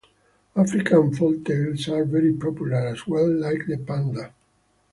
African folktales are very popular as well, like the Panda.